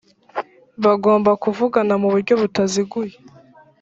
bagomba kuvugana mu buryo butaziguye